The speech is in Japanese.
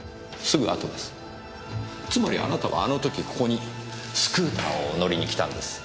つまりあなたはあの時ここにスクーターをお乗りに来たんです。